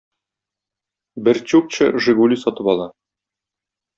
Бер чукча «Жигули» сатып ала.